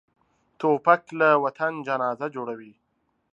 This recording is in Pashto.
توپک له وطن جنازه جوړوي.